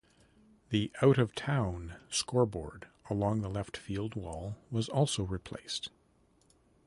The out-of-town scoreboard along the left field wall was also replaced.